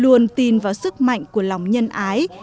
luôn tin vào sức mạnh của lòng nhân ái